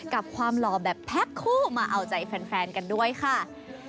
กับความหล่อแบบแพ็คคู่มาเอาใจแฟนกันด้วยค่ะ